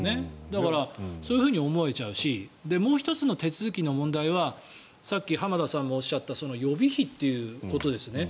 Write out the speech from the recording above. だから、そう思えちゃうしもう１つの手続きの問題はさっき浜田さんもおっしゃった予備費ということですね。